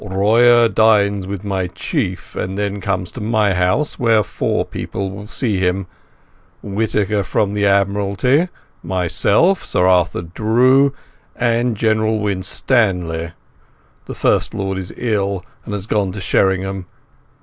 "Royer dines with my Chief, and then comes to my house where four people will see him—Whittaker from the Admiralty, myself, Sir Arthur Drew, and General Winstanley. The First Lord is ill, and has gone to Sheringham.